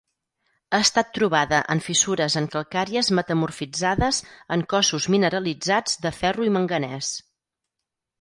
Ha estat trobada en fissures en calcàries metamorfitzades en cossos mineralitzats de ferro i manganès.